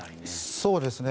そうですね。